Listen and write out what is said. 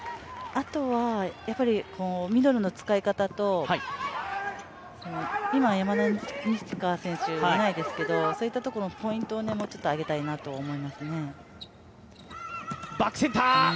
あとはミドルの使い方と、今、山田二千華選手がいないですけれどもそういったところのポイントをもうちょっと上げたいなと思いますね。